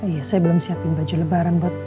aiya saya belum siapin baju lebaran buat al dan andi